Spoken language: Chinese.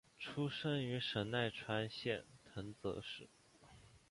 出身于神奈川县藤泽市。